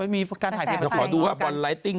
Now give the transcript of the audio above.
มีการถ่ายเทพภัยมีการสมมุติการสำหรับ